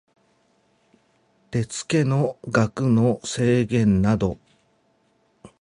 手付の額の制限等